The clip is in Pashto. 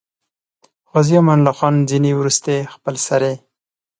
عازي امان الله خان ځینې وروستۍخپلسرۍ.